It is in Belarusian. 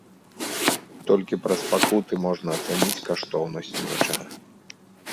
Толькі праз пакуты можна ацаніць каштоўнасць нечага.